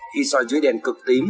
khi xoay dưới đèn cực tím